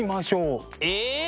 え！